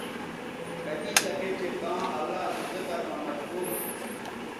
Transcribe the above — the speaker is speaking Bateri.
کدی تکےچہء کاں اللہ سو ذکر مہ مشغول تھو